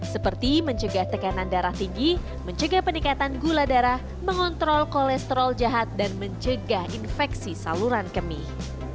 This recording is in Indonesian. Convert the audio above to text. seperti mencegah tekanan darah tinggi mencegah peningkatan gula darah mengontrol kolesterol jahat dan mencegah infeksi saluran kemih